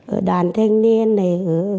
ở đoàn thanh niên này